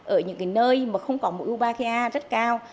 ở những cái nơi mà không có mũi wombakia rất cao